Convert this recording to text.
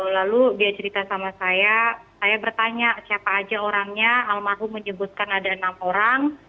lalu dia cerita sama saya saya bertanya siapa aja orangnya almarhum menyebutkan ada enam orang